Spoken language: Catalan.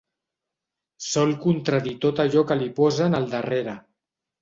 Sol contradir tot allò que li posen al darrere.